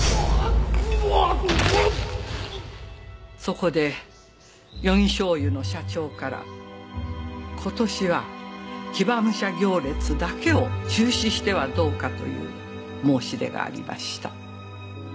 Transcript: そこで余木醤油の社長からことしは騎馬武者行列だけを中止してはどうかという申し出がありました。